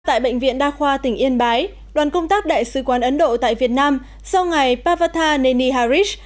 tại bệnh viện đa khoa tỉnh yên bái đoàn công tác đại sứ quán ấn độ tại việt nam sau ngày pavata neniharis